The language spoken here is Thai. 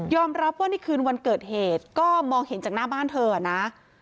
รับว่าในคืนวันเกิดเหตุก็มองเห็นจากหน้าบ้านเธอนะ